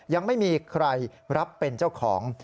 ยังไม่มีใครรับเป็นเจ้าของ